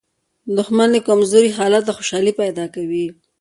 دښمن له کمزوري حالته خوشالي پیدا کوي